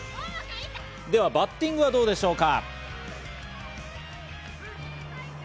ではバッティングはどうでしょうか？